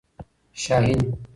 شاهین